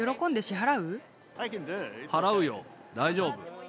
払うよ、大丈夫。